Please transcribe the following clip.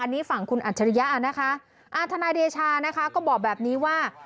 อันนี้ฝั่งคุณอัจฉริยะนะคะอ่าทนายเดชานะคะก็บอกแบบนี้ว่า